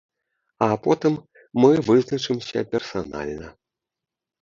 А потым мы вызначымся персанальна.